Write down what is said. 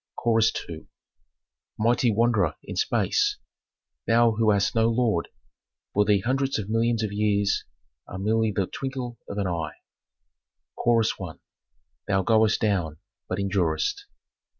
Chorus II. "Mighty wanderer in space, thou who hast no lord, for thee hundreds of millions of years are merely the twinkle of an eye." Chorus I. "Thou goest down, but endurest.